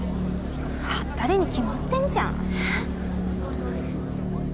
はったりに決まってんじゃん。